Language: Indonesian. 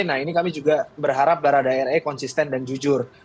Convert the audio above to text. nah ini kami juga berharap baradae konsisten dan jujur